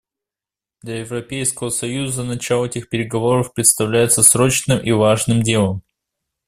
Для Европейского союза начало этих переговоров представляется срочным и важным делом.